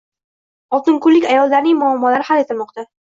Oltinko‘llik ayollarning muammolari hal etilmoqda